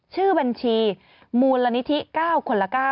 ชื่อบัญชีมูลนิธิ๙คนละ๙